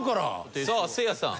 さあせいやさん。